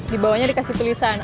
di bawahnya dikasih tulisan